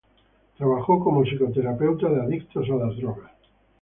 Trabajó como psicoterapeuta de adictos a las drogas.